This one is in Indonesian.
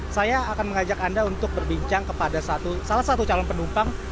saya akan mengajak anda untuk berbincang kepada salah satu calon penumpang